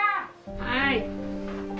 はい。